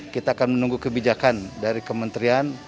kita akan menunggu kebijakan dari kementerian